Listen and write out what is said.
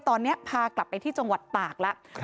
ตอนนี้พากลับไปที่จังหวัดตากแล้ว